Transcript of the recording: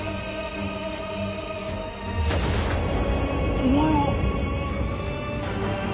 お前は。